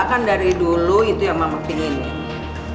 kan dari dulu itu yang mama pingin